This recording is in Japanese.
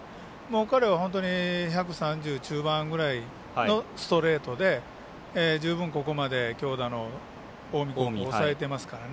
彼は本当に１３０中盤ぐらいのストレートで十分、ここまで強打の近江高校を抑えていますからね。